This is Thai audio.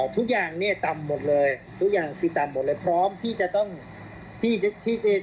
ทุกอย่างเนี่ยต่ำหมดเลยทุกอย่างคือต่ำหมดเลยพร้อมที่จะต้องที่